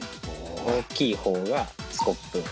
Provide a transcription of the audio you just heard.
大きい方がスコップ。